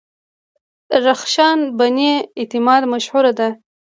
رخشان بني اعتماد مشهوره ده.